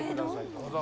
どうぞ。